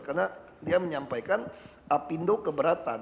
karena dia menyampaikan apindo keberatan